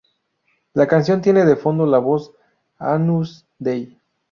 La canción tiene de fondo la voz de Agnus Dei.